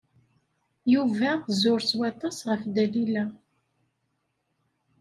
Yuba zur s waṭas ɣef Dalila.